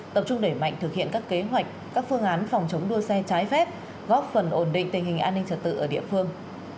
tập trung để mạnh thực hiện các kế hoạch các phương án phòng chống đua xe trái phép góp phần ổn định tình hình an ninh trật tự ở địa phương